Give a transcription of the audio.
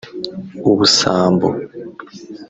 ubusambo